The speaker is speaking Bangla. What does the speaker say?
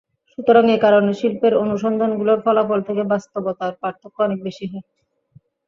সুতরাং এ কারণে শিল্পের অনুসন্ধানগুলোর ফলাফল থেকে বাস্তবতার পার্থক্য অনেক বেশি হয়।